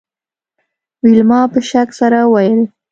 ویلما په شک سره وویل